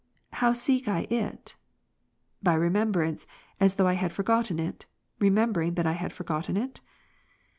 How seek I it? By remembrance, as though I had forgotten it, remembering that I had forgotten it?